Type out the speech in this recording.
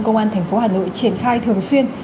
công an tp hà nội triển khai thường xuyên